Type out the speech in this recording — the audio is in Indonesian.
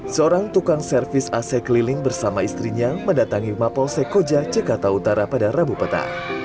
seorang tukang servis ac keliling bersama istrinya mendatangi mapolsekoja jakarta utara pada rabu peta